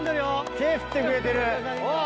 手振ってくれてるあぁ